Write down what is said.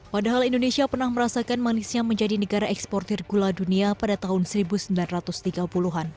padahal indonesia pernah merasakan manisnya menjadi negara eksportir gula dunia pada tahun seribu sembilan ratus tiga puluh an